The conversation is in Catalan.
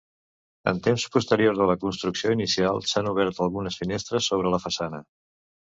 En temps posteriors a la construcció inicial s'han obert algunes finestres sobre la façana.